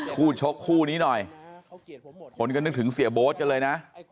ชกคู่นี้หน่อยคนก็นึกถึงเสียโบ๊ทกันเลยนะ